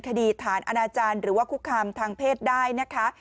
คดีฐานอาณาจารย์หรือว่าคุกคามทางเพศได้นะคะ